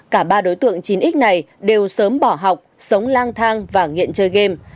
cả ba đối tượng chín x này đều sớm bỏ học sống lang thang và nghiện chơi game